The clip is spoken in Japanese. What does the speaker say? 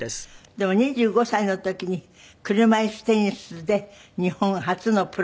でも２５歳の時に車いすテニスで日本初のプロに転向。